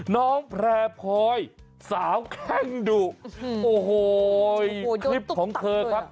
น้องแพร่พลอยสาวแข้งดุโอ้โหคลิปของเธอครับ